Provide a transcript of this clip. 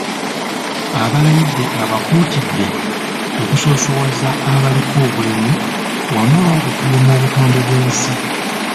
Abalayidde abakuutidde okusoosowaza abaliko obulemu wamu n’okukuuma obutonde bw’ensi.